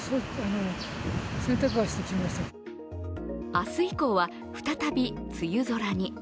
明日以降は、再び梅雨空に。